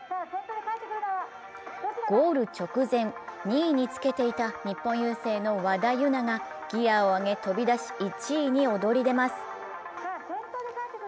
ゴール直前、２位につけていた日本郵政の和田有菜がギヤを上げ飛び出し１位に躍り出ます。